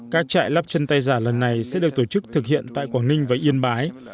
các trại lắp chân tay giả lần này sẽ được tổ chức thực hiện tại quảng ninh và yên bái